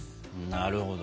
なるほど。